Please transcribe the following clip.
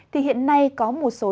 thì hiện nay có một số dự án